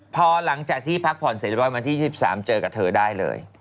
พอหลังจากที่พักผ่อนเสร็จรวดมาที่๒๓เจอกับเธอได้เลย